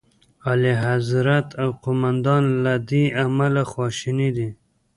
اعلیخضرت او قوماندان له دې امله خواشیني دي.